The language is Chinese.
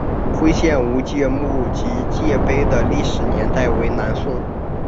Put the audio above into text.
徽县吴玠墓及墓碑的历史年代为南宋。